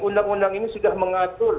undang undang ini sudah mengatur